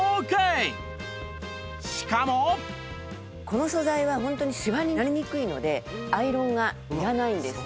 この素材はホントにシワになりにくいのでアイロンがいらないんです。